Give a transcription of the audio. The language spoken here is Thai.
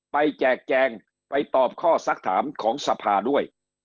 แจกแจงไปตอบข้อสักถามของสภาด้วย